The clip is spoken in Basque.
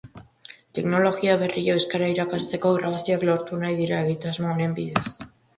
Teknologia berriei euskara irakasteko grabazioak lortu nahi dira egitasmo honen bidez.